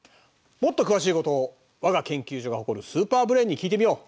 もっと詳しいことをわが研究所が誇るスーパーブレーンに聞いてみよう。